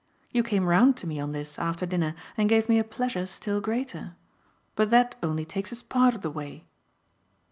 You came round to me on this, after dinner, and gave me a pleasure still greater. But that only takes us part of the way."